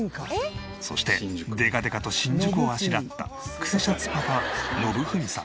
そしてでかでかと「新宿」をあしらったクセシャツパパのぶふみさん。